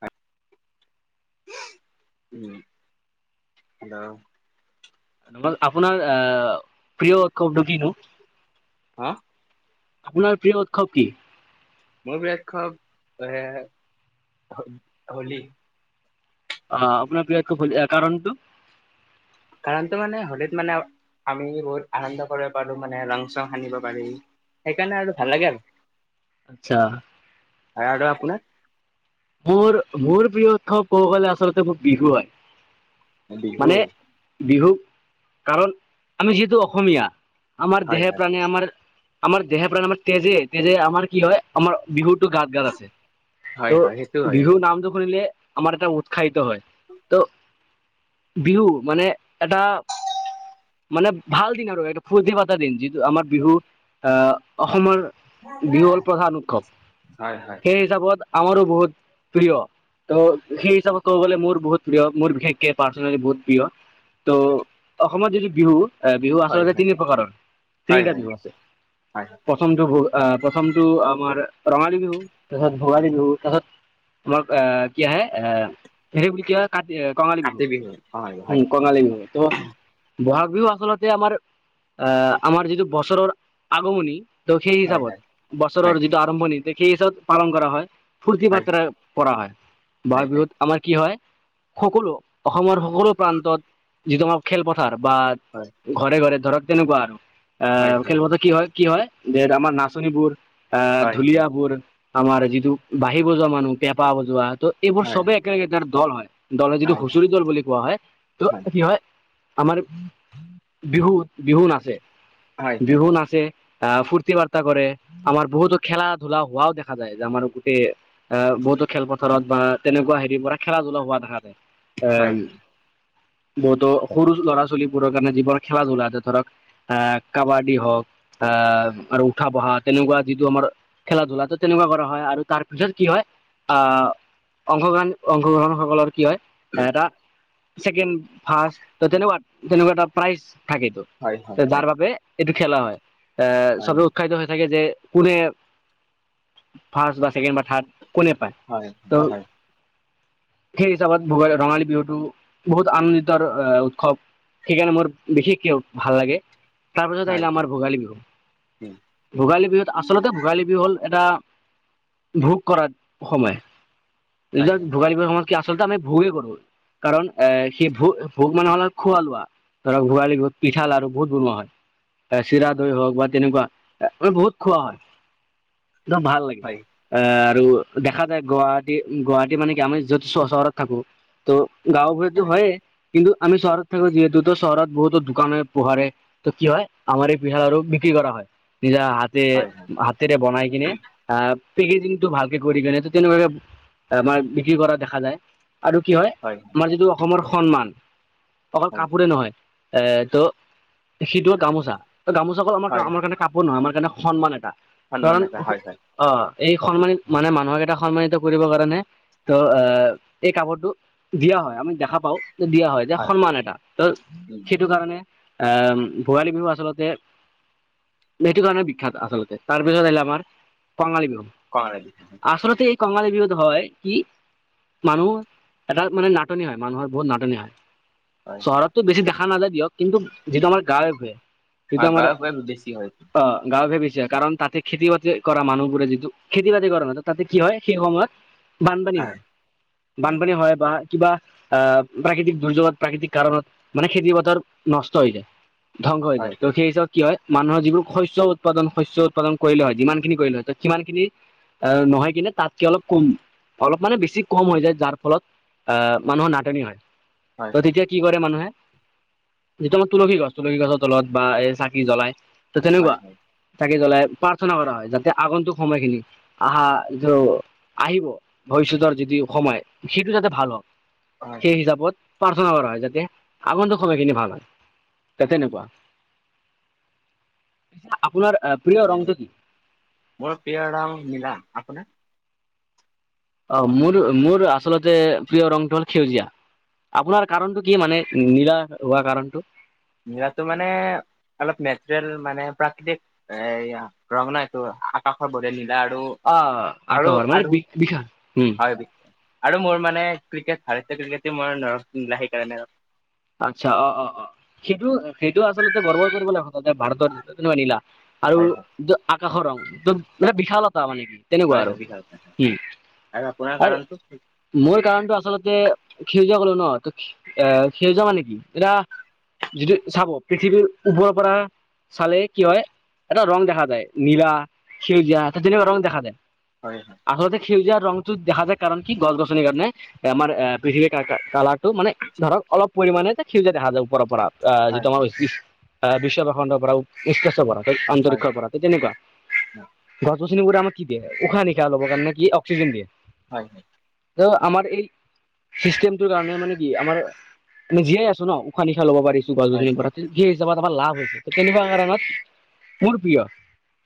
হয়। উম হেল্ল নমল আপোনাৰ আহ প্ৰিয় ক ডগিটো হা আপোনাৰ প্ৰিয় উৎসৱ কি? মোৰ প্ৰিয় উৎসৱ এ হ হলী অ আপোনাৰ প্ৰিয় উৎসৱ হলী কাৰণটো? কাৰণটো মানে হলীত মানে আমি বহুত আনন্দ কৰিব পাৰো মানে ৰং চং সানিব পাৰি সেইকাৰণে আৰু ভাল লাগে আৰু আচ্ছা আৰ আপোনাৰ? মোৰ মোৰ প্ৰিয় উৎসৱ ক'ব গলে আচলতে মোৰ বিহু হয় বিহু মানে বিহু কাৰণ আমি যিহেতু অসমীয়া আমাৰ হয় দেহে হয় প্ৰাণে আমাৰ আমাৰ দেহে প্ৰাণে আমাৰ তেজে তেজে আমাৰ কি হয় আমাৰ বিহুটো গাত গাত আছে হয়, ত' হয়। হয় বিহু আৰু নামটো শুনিলে আমাৰ এটা উৎসাহিত হয়। তো বিহু মানে এটা মানে ভাল দিন আৰু এটা ফূৰ্তি পাতা দিন। যিটো আমাৰ বিহু আহ অসমৰ বিহু হ'ল প্ৰধান উৎসৱ হয় হয় সেই হিচাপত আমাৰো বহুত প্ৰিয়, ত সেই হিচাপে ক'ব গলে মোৰ বহুত প্ৰিয় মোৰ বিশেষকে পাৰ্চনেলি বহুত প্ৰিয়। ত' অসমত যিটো বিহু এ বিহু হয় আচলতে হয় তিনি প্ৰকাৰৰ, হয় তিনিটা হয় বিহু আছে। হয় প্ৰথমটো হ'ল আ প্ৰথমটো আমাৰ ৰঙালী বিহু, তাৰপিছত ভোগালী বিহু, তাৰপিছত তোমাক এ কি আহে এ হেৰি বুলি কি হয় কাটি কঙালী বিহু, কাতি হয় উ হয় কঙালী বিহু ত ব'হাগ বিহু আচলতে আমাৰ আহ আমাৰ যিটো বছৰৰ আগমনি তো সেই হয় হিচাপত হয় বছৰৰ হয় হয় যিটো আৰম্ভণি সেই হিচাপত পালন কৰা হয়। ফূৰ্তি পাৰ্ত্ৰা কৰা হয়। হয় বহাগ হয় বিহুত আমাৰ কি হয় সকলো অসমৰ সকলো প্ৰান্তত যিটো আমাৰ খেলপথাৰ বা ঘৰে ঘৰে ধৰক তেনেকুৱা আৰু হয় হয় হয় আহ খেলপথাৰ কি হয়? কি হয়? যে আমাৰ নাচনীবোৰ, আহ হয় হয় ঢুলিয়াবোৰ, আমাৰ যিটো বাঁহী বজোৱা মানুহ পেঁপা বজোৱা ত এইবোৰ হয় হয় চবেই একেলগে ত দল হয়। দলে হয় হয় হয় হয় হয় যিটো হুঁচৰি দল বুলি কোৱা হয় ত' কি হয় আমাৰ বিহু বিহু নাচে, হয় হয় হয় বিহু নাচে আহ ফূৰ্তি বাৰ্তা কৰে, আমাৰ বহুতো খেলা ধূলা হোৱাও দেখা যায় যে আমাৰ গোটেই এ বহুতো খেলপথাৰত বা তেনেকুৱা হেৰিৰ পৰা খেলা ধুলাও হোৱা দেখা যায়। এ হয় বহুতো সৰু ল'ৰা ছোৱালীবোৰৰ কাৰণে যিবোৰ খেলা ধূলা যে ধৰক আহ কাবাডী হওক, আহ আৰু উঠা বহাত তেনেকুৱা যিটো আমাৰ খেলা ধূলা তেনেকুৱা কৰা হয় আৰু তাৰ পিছত কি হয় আহ অংশগ্ৰহণ অংশগ্ৰহণসকলৰ কি হয় এ এটা কেণ্ড ফাষ্ট ত তেনেকুৱা তেনেকুৱা এটা প্ৰাইজ থাকেটো, হয় যাৰ বাবে এইটো খেলা হয়, আহ চবে উৎসাহিত হৈ থাকে যে কোনে ফাষ্ট বা ছেকেণ্ড বা থাৰ্ড কোনে পায় হয় ত হয়। সেই হিচাপত ভোগী ৰঙালী বিহুতটো বহুত আনন্দিতৰ উৎসৱ, সেইকাৰণে মোৰ বিশেষকৈ ভাল লাগে। তাৰপাছত আহিলে আমাৰ ভোগালী বিহু ভোগালী বিহুত আচলতে ভোগালী বিহু হ'ল এটা ভোগ কৰাত সময়। এই হয় হয় ভোগালী সময়ত কি আচলতে আমি ভোগেই কৰো কাৰণ এ সেই ভ ভোক মানেহ হ'লে খুৱা লোৱা। ধৰা ভোগালি বিহুত পিঠা লাৰু বহুত বনোৱা হয়। এ চিৰা দৈ হওক বা তেনেকুৱা বহুত খোৱা হয়। একদম ভাল লাগে। হয় এ আৰু দেখা যায় গুৱাহাটী গুৱাহাটী মানে কি আমি য'ত চহৰত থাকো ত' গাঁও বোৰতো হয় হয়য়ে, কিন্তু আমি চহৰত থাকো যিহেতু তো চহৰত বহুতো দোকান হয় পোহাৰে ত কি হয় আমাৰ এই পিঠাল আৰু বিক্ৰী কৰা হয়। নিজাৰ হাত হয় হয় হাতেৰে বনাই কিনে আহ পেকেজিংটো ভাল কৰি কিনে ত তেনেকুৱাকে আমাৰ বিক্ৰী কৰা দেখা যায় আৰু কি হয় আমাৰ যিটো অসমৰ সন্মান অকল হয় কাপোৰে নহয় এ ত সেইটো হ'ল গামোচা। ত গামোচা অকল আমাৰ হয় আমাৰ কাৰণে কাপোৰ নহয় আমাৰ কাৰণে সন্মান এটা। সন্মান কাৰণ নাপায় হয় হয় আহ এই সন্মানিত মানে মানুহক এইটো সন্মানিত কৰিবৰ কাৰণে ত' অ এই কাপোৰটো দিয়া হয়, আমি দেখা পাওঁ দিয়া হয়। যে সন্মান এটা ত সেইটো কাৰণে আহ ভোগালী বিহু আচলতে সেইটো কাৰণে বিখ্যাত আচলতে তাৰপিছত আহিলে আমাৰ কঙালী বিহু কঙালী বিহু আচলতে এই কংগালী বিহুতো হয় কি মানুহ এটা মানে নাটনি হয় মানুহৰ বহুত নাটনি হয় হয় চহৰততো বেছি দেখা নাযায় দিয়ক কিন্তু যিটো আমাৰ গাঁৱে ভূয়ে সেইটো হয় আমাৰ গাঁৱে ভূঞে বেছি হয় অ গাঁও ভোয়ে বেছি হয় কাৰণ তাতে খেতি বাতি কৰা মানুহবোৰে যিটো খেতি বাতি কৰা নাই তাতে কি হয় সেই সময়ত বানপানী হয় বানপানী হয় বা কিবা আহ প্ৰাকৃতিক দুৰ্যোগত প্ৰাকৃতিক কাৰণত মানে খেতি পথাৰ নষ্ট হৈ যায় ধ্বংস হৈ হয় যায় তো সেই হিচাপত কি হয় মানুহৰ যিবোৰ শস্য উৎপাদন শস্য উৎপাদন কৰিলে হয় যিমান খিনি কৰিলে হয় সিমান খিনি আহ নহয় কিনে তাতকে অলপ কম অলপ মানে বেছি কম হৈ যায় যাৰ ফলত আহ মানুহৰ নাটনি হয় হয় ত হয় তেতিয়া কি কৰে মানুহে যিটো আমাৰ তুলসী গছ তুলসী গছৰ তলত বা এই চাকি জ্বলাই ত হয় তেনেকুৱা হয় চাকি জ্বলাই প্ৰাৰ্থনা কৰা হয় যাতে আগন্তুক সময়খিনি আহা যটো আহিব ভৱিষ্যতৰ যিটো সময় সেইটো যাতে ভাল হওক হয় সেই হয় হিচাপত প্ৰাৰ্থনা কৰা হয় যাতে আগন্তুক সময়খিনি ভাল হয় তেনেকুৱা আপোনাৰ প্ৰিয় আৰু ৰংটো কি মোৰ প্ৰিয় ৰং নীলা আপোনাৰ অ মোৰ মোৰ আচলতে প্ৰিয় ৰংটো হ'ল সেউজীয়া আপোনাৰ কাৰণতটো কি মানে নীলা হোৱাৰ কাৰণটো নীলাতো মানে অলপ নেচাৰেল মানে প্ৰাকৃতিক এ ৰঙনা এইটো আকাশৰ দৰে নীলা আৰু অ আৰু আকাশৰ মানে আৰু বিগ বিশাল উম [unintelligible] আৰু মোৰ মানে ক্ৰিকেট ভাৰতীয় ক্ৰিকেট মোৰ নৰ নীলা সেইকাৰণে ক আচ্ছা অ অ অ সেইটো সেইটো আচলতে গৰ্ব কৰিব লগা কথা যে ভাৰতত নহয় নীলা আৰু হয় হয় ত আকাশৰ ৰং ত মানে বিশালতা মানে তেনেকুৱা হয় হয় আৰু [unintelligible] হয় উম, আৰু আপোনাৰ আৰু কাৰণটো মোৰ কাৰণটো আচলতে সেউজীয়া কলো ন এ সেউজীয়া মানে কি, এতিয়া যিটো চাব পৃথিৱীৰ ওপৰৰ পৰা চালে কি হয় এটা ৰং দেখা যায় নীলা সেউজীয়া এটা তেনেকুৱা ৰং দেখা যায় হয় হয় আচলতে সেউজীয়া ৰংটো দেখা যায় কাৰণ কি গছ গছনিৰ কাৰণে আমাৰ পৃথিৱীৰ কা কালাৰ তো মানে ধৰক অলপ পৰিমাণে যে সেউজীয়া দেখা যায় ওপৰৰ পৰা আহ হয় যিটো আমাৰ আহ বিশ্ব ভূখণ্ডৰ পৰাও [unintelligible] কৰা হয় আন্তৰিকৰ পৰা এই তেনেকুৱা হয় গছ গছনিবোৰে আমাক কি দিয়ে উশাহ নিশাহ ল'বৰ কাৰণে কি অক্সিজেন দিয়ে হয় হয় [unintelligible] আমাৰ এই চিষ্টেমটোৰ কাৰণে মানে কি আমাৰ আমি জীয়াই আছো ন উশাহ নিশাহ ল'ব পাৰি ছো গছ হয় গছনিৰ হয় পৰা হয় সেই হিচাপত আমাৰ লাভ হৈছে তেনেকুৱা কাৰণত মোৰ প্ৰিয়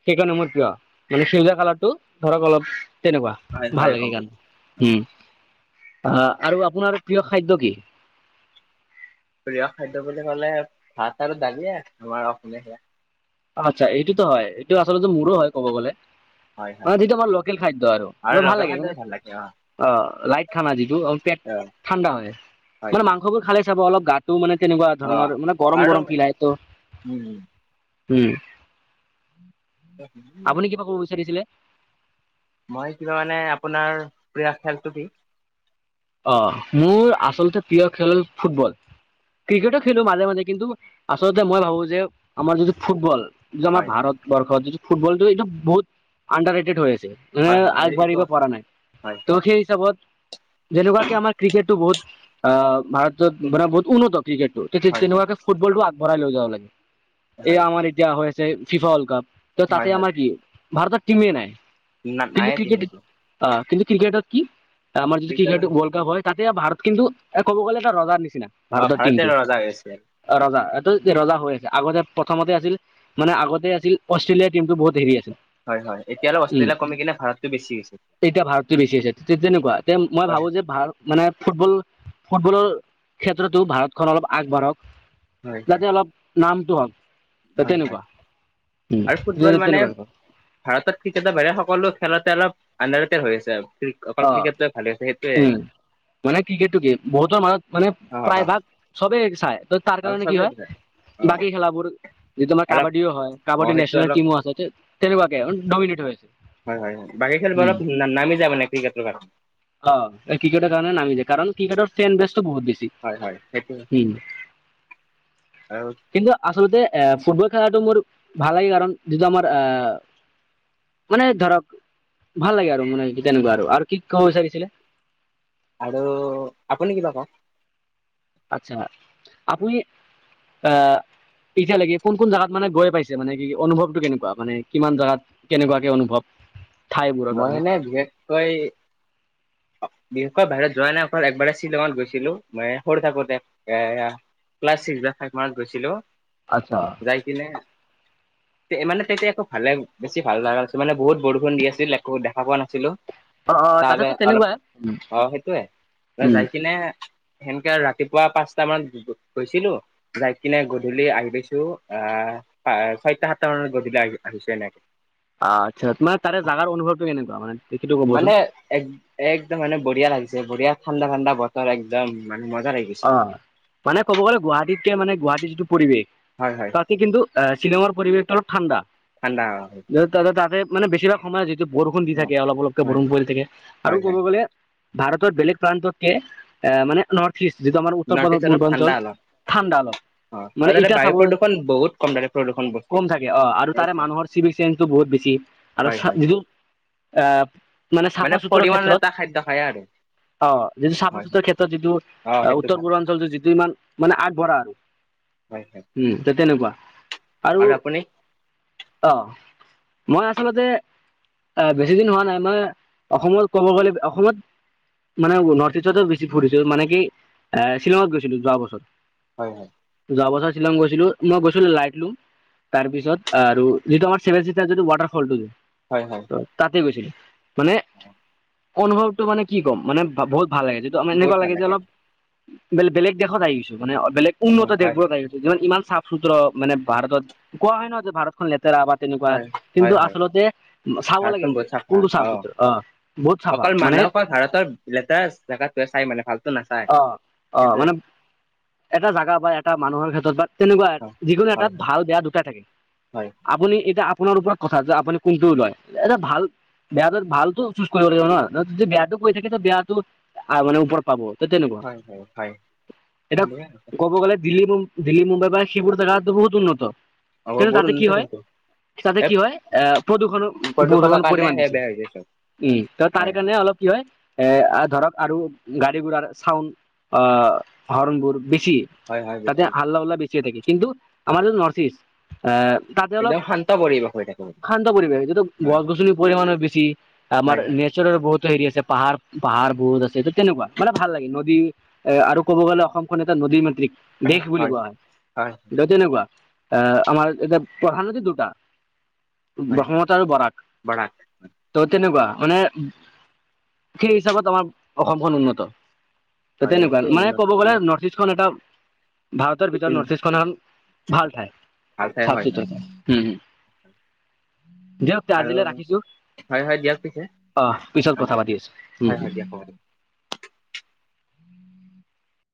সেইকাৰণে মোৰ প্ৰিয় মানে সেউজীয়া কালাৰটো ধৰক অলপ তেনেকুৱা হয় ভাল হয় লাগে গম পাইছোঁ কাৰণে উম আৰু আপোনাৰ প্ৰিয় খাদ্য কি প্ৰিয় খাদ্য বুলি ক'লে ভাত আৰু দালিয়ে আমাৰ অসমীয়া সেয়া আচ্ছা এইটোটো হয়, এইটো আচলতে মোৰো হয় ক'ব গ'লে। হয় হয় অ', যিটো আমাৰ লোকেল খাদ্য আৰু মোৰ ভাল লাগে মানে অ', লাইট খানা যিটো পেট অ ঠাণ্ডা হয়, হয় মানে হয় মাংসবোৰ খালে চাব অলপ গাতো মানে তেনেকুৱা অ ধৰণৰ মানে গৰম আৰু গৰম ফিল আহে তো উম। উম। উম। আপুনি কিবা কব বিচাৰিছিলে? মই কিবা মানে আপোনাৰ প্ৰিয় খেলটো কি? অ', মোৰ আচলতে প্ৰিয় খেল ফুটবল। ক্ৰিকেটো খেলো মাজে মাজে কিন্তু আচলতে মই ভাবো যে আমাৰ যিটো ফুটবল যিটো আমাৰ হয় হয় ভাৰতবৰ্ষত যিটো ফুটবলটো এইটো বহুত আণ্ডাৰ ৰেটেড হৈ আছে। মানে হয় হয় এই- এইটো আগবাঢ়িব আছে পৰা নাই, হয় ত' সেই হিচাপত যেনেকুৱাকে আমাৰ ক্ৰিকেটটো বহুত অ', ভাৰতত মানে বহুত উন্নত ক্ৰিকেটটো হয় হয় তে-তেনেকুৱাকে ফুটবলটো আগবঢ়াই লৈ যাব লাগে। এই হয় হয় আমাৰ এতিয়া হৈ আছে ফিফা ৱৰ্ল্ড কাপ। ত' হয় তাতে হয় আমাৰ কি ভাৰতৰ টিমে নাই না কিন্তু নায়ে টিম ক্ৰিকেট এইটো আহ কিন্তু ক্ৰিকেটত কি আমাৰ যদি ক্ৰিকেট- ক্ৰিকেটত ৱৰ্ল্ড কাপ হয় তাতে ভাৰত কিন্তু এ ক'ব গ'লে এটা ৰজাৰ নিচিনা, অ ভাৰতৰ ভাৰতে টিমটো। ৰজা হৈ আছে অ', ৰজা এইটো ৰজা হৈ আছে, আগতে প্ৰথমতে আছিল মানে আগতে আছিল অষ্ট্ৰেলিয়াৰ টিমটো বহুত হেৰি আছিল। হয় হয় এতিয়ালৈ উম, অষ্ট্ৰেলিয়া কমি কিনে ভাৰতটো বেছি হৈছে এতিয়া ভাৰতে বেছি আছে তেনেকুৱা তে মই হয় ভাবো যে ভাৰত মানে ফুটবল, ফুটবলৰ ক্ষেত্ৰতো ভাৰতখন অলপ আগবাঢ়ক। হয় হয় যাতে অলপ নামটো হওক হয় হয় তেনেকুৱা উম, আৰু ফুটবল মানে তেনেকুৱা। ভাৰতত ক্ৰিকেটৰ বাহিৰে সকলো খেলতে অলপ [unintelligible] হৈ আছে। [unintelligible] অ', ক্ৰিকেটটোৱে ভালে হৈছে সেইটোৱে উম, মানে ক্ৰিকেটটো কি বহুতৰ মাজত মানে অ প্ৰায় ভাগ চবেই চায়, ত তাৰ আৰু কাৰণে কি চবেই দিছে হয় অ বাকী খেলাবোৰ যি তোমাৰ অলপ কাবাডীও হয়, অ কাবাডী সেইটো নেশ্যনেল অলপ টিমো আছে তেনেকুৱাকে ডমিনেট হৈ আছে। হয় হয় হয়, বাকি উম খেলবোৰক নামি যাই মানে। [unintelligible] অ', ক্ৰিকেটৰ কাৰণে নামি যায়, কাৰণ ক্ৰিকেটৰ ফেন বেছটো বহুত বেছি। সেইটোৱেই, উম আৰু কিন্তু আচলতে এ ফুটবল খেলাটো মোৰ ভাল লাগে কাৰণ, যিটো আমাৰ আহ মানে ধৰক ভাল লাগে আৰু মানে তেনেকুৱা আৰু, আৰু কি কব বিচাৰিছিলে? আৰু আপুনি কি কব? আচ্ছা, আপুনি আহ এতিয়ালৈকে কোন কোন জোগাত মানে গৈ পাইছে? মানে কি অনুভৱটো কেনেকুৱা মানে কিমান জেগাত? কেনেকুৱাকে অনুভৱ। ঠাইবোৰৰ মই কাৰণে এনে বিশেষকৈ বিশেষকৈ বাহিৰত যোৱা নাই, অকল একবাৰে শ্বিলঙত গৈছিলো মানে সৰু থাকোতে এ ক্লাচ ছিক্স বা ফাইভ মানত গৈছিলো। আচ্ছা। যাই কিনে [inaudible] মানে তেতিয়া একো ভালে বেছি ভাল লগা আছিল মানে বহুত বৰষুণ দি আছিলো দেখা পোৱা নাছিলো। অ', অ', তাৰে তাতেতো অলপ তেনেকুৱাই। অ', সেইটোৱে মই উম যাই কিনে সেনেকে ৰাতিপুৱা পাঁচটামান গৈছিলো। যাই কিনে গধূলি আহি পাইছো, আহ। ছয়টা-সাতটা মানত গধূলি আহি আহিছে [unintelligible] অ, আচ্ছা! মানে তাৰে জাগাৰ অনুভৱটো কেনেকুৱা, সেইটো মানে ক'বচোন? এক, একদম মানে বঢ়িয়া লাগিছে, বঢিয়া ঠাণ্ডা-ঠাণ্ডা বতৰ, একদম মানে মজা লাগিছে। অ, মানে ক'ব গ'লে গুৱাহাটীতকে, মানে গুৱাহাটীৰ যিটো পৰিৱেশ হয় হয় তাতকে কিন্তু শ্বিলঙৰ পৰিৱেশটো অলপ ঠাণ্ডা, ঠাণ্ডা হয় তা তাতে মানে বেছিভাগ সময়ত যিটো বৰষুণ দি অ, থাকে, অলপ অলপকে হয় বৰষুণ পৰি থাকে, আৰু হয় ক'ব হয় গ'লে ভাৰতৰ বেলেগ প্ৰান্ততকে এ, মানে ন যিটো আমাৰ নৰ্থ ইষ্ট অলপ উত্তৰ-পূৰ্বাঞ্চল, ঠাণ্ডা অলপ ঠাণ্ডা অলপ। অ আৰু মানে তাতে ইতিয়া বায়ু চাব, প্ৰদূষণ বহুত কম তাতে প্ৰদূষণ বস্তি কম থাকে অ, আৰু তাৰে একদম মানুহৰ চিভিক চেন্সটো বহুত বেছি। আৰু হয় হয় [unintelligible] আহ, মানে চাফা-চুতুৰাৰ পৰিমাণৰ ক্ষেত্ৰত এটা খাদ্য খায় আৰু অ, যিটো হয় হয় চাফা-চুতুৰা ক্ষেত্ৰত যিটো অ, সেই উত্তৰ-পূৰ্বাঞ্চলটো যিটো ইমান মানে আগবঢ়া। হয়, হয়। উম, তেনেকুৱা, আৰু অ' মই আচলতে এ, বেছি দিন হোৱা নাই, মই অসমত ক'ব গ'লে, অসমত মানে নৰ্থ-ইষ্টত বেছি ফুৰিছো, মানে কি শ্বিলঙত গৈছিলো যোৱা বছৰ। হয়, হয়। যোৱাবছৰ শ্বিলং গৈছিলো। মই গৈছিলো লাইট লোম তাৰপিছত, আৰু যিটো আমাৰ চেভেন-চিষ্টাৰ যিটো ৱাটাৰ ফলটো হয়, হয়। তাতে গৈছিলো, মানে অনুভৱটো মানে কি ক'ম, মানে বহুত ভাল লাগে। বহুত এনেকুৱা ভাল লাগে যে, অলপ বেলে-বেলেগ দেশত আহি গৈছো, মানে বেলেগ অ উন্নত হয় দেশবোৰত আহিছো। ইমান চাফ-চুতুৰা হওঁক, মানে ভাৰতত কোৱা হয় ন, যে ভাৰতখন লেতেৰা। তেনেকুৱা হয় কিন্তু হয় হয় আচলতে চাব লাগে ভাৰতখন যে, বহুত চাফা কোনটো চাফ-চুতুৰা। অ'। বহুত চাফা অকল মানে মানুহে কয়, ভাৰতৰ লেতেৰা জেগাতে চাই মানে ভাল অ', অ', মানে এটা জেগা, বা এটা মানুহৰ ক্ষেত্ৰত, বা তেনেকুৱা অ, যিকোনো হয় এটাত হয় ভাল-বেয়া দুটাই থাকে। হয়। আপুনি এতিয়া আপোনাৰ ওপৰত কথা যে, আপুনি কোনটো লয়। এটা ভাল বেয়া ভালতো চুজ কৰিব লাগিব নহ! যদি বেয়াটো কৰি থাকে, বেয়াটো মানে ওপৰত পাব। ত', তেনেকুৱা, হয় হয় হয় এতিয়া বেয়া ক'ব গ'লে, দিল্লী মু দিল্লী, মুম্বাই বা সেইবোৰ জেগা বহুত উন্নত। কিন্তু তাতে কি হয় [unintelligible] তাতে এই কি হয়, আহ, প্ৰদূষণো, প্ৰদূষণৰ কাৰণে পৰিমাণ সে বেছি। বেয়া হৈ গৈছে উম, ত, তাৰে হয় হয় কাৰণে অলপ কি হয়, এ ধৰক আৰু গাড়ী-গুৰাৰ চাউণ্ড আহ, হৰণবোৰ বেছি। হয় হয় তাতে বেছি হাল্লা-হোল্লা বেছি হৈ থাকে। কিন্তু আমাৰ যে, নৰ্থ-ইষ্ট এ, তাতে অলপ একদম শান্ত পৰিৱেশ হৈ থাকো। শান্ত পৰিৱেশ, যিহেতু গছ-গছনিৰ পৰিমাণে বেছি, আৰু হয় নে হয় নেচাৰৰ বহুত হেৰি আছে, পাহাৰ-পাহাৰ বহুত আছে, ত তেনেকুৱা, মানে ভাল লাগে। নদী এ আৰু ক'ব গ'লে অসমখন এটা নদীৰ মাতৃক দেশ বুলি কোৱা হয়। হয় ত, তেনেকুৱা আহ, আমাৰ এতিয়া প্ৰধানত নদী দুটা। হয় ব্ৰহ্মপুত্ৰ আৰু বৰাক। বৰাক ত' তেনেকুৱা, মানে সেই হিচাপত আমাৰ অসমখন উন্নত। ত' হয় তেনেকুৱা, এইটো মানে উন্নত ক'ব গ'লে উন্নত ন ৰ্থ ইষ্ট খন এটা ভাৰতৰ ভিতৰত উম, নৰ্থ ইষ্ট খন হল এখন ভাল ঠাই। ভাল ঠাই হয় হয় [unintelligible] আৰু আজিলৈ ৰাখিছো হয় হয় দিয়ক পিছে অঁ পিছত অ, কথা দিয়ক পাতি হয় হয় দিয়ক আছো। হ'ব